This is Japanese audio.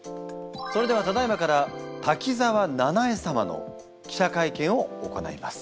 それではただいまから滝沢ななえ様の記者会見を行います。